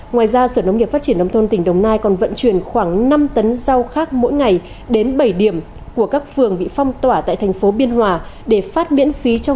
ngoài ra sở nông nghiệp phát triển nông thôn tỉnh đồng nai còn vận chuyển khoảng năm tấn rau khác mỗi ngày đến bảy điểm của các phường bị phong tỏa tại thành phố biên hòa để phát miễn phí cho người dân trong thời gian tới